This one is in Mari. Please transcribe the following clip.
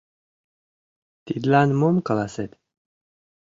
Тидлан мом каласет?